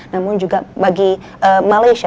namun juga bagi malaysia